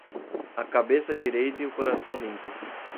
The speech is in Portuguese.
A cabeça direita e o coração limpo.